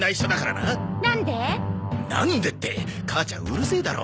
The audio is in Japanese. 「なんで？」って母ちゃんうるせえだろ。